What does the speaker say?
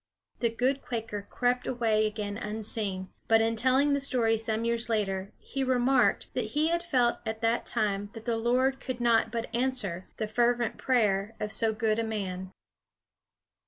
The good Quaker crept away again unseen, but in telling the story some years later, he remarked that he felt at the time that the Lord could not but answer the fervent prayer of so good a man.